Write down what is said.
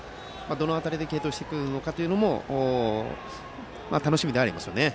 どの辺りで継投してくるかも楽しみではありますよね。